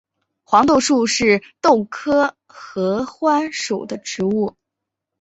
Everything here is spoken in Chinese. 黄豆树是豆科合欢属的植物。